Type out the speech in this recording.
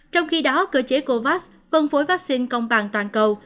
trong khi đó cơ chế covax phân phối vaccine công bằng toàn cầu